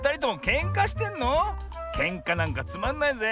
けんかなんかつまんないぜ。